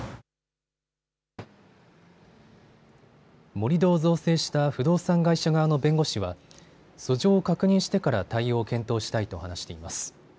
盛り土を造成した不動産会社側の弁護士は訴状を確認してから対応を検討したいと話しています。